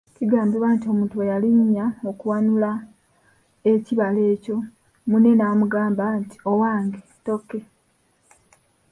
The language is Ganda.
Kigambibwa nti omuntu bwe yalinnya okuwanula ekibala ekyo munne n’amugamba nti, “Owange ttokke?῎